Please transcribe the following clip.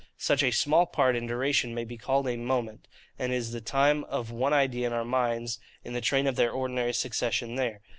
Such a small part in duration may be called a MOMENT, and is the time of one idea in our minds, in the train of their ordinary succession there.